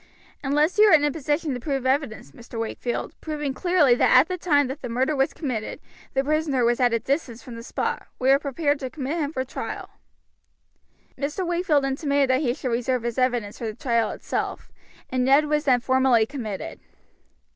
"Unless you are in a position to produce evidence, Mr. Wakefield, proving clearly that at the time the murder was committed the prisoner was at a distance from the spot, we are prepared to commit him for trial." Mr. Wakefield intimated that he should reserve his evidence for the trial itself, and Ned was then formally committed.